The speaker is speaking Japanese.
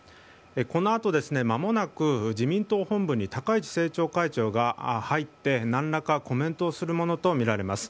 このあと、まもなく自民党本部に高市政調会長が入って、何らかコメントをするものとみられます。